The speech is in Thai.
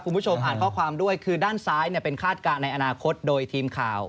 คุณผู้ชมอ่านข้อความด้วยคือด้านซ้ายเป็นคาดการณ์ในอนาคตโดยทีมข่าว